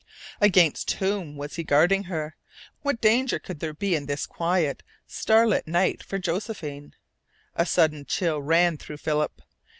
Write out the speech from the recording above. Against whom was he guarding her? What danger could there be in this quiet, starlit night for Josephine? A sudden chill ran through Philip.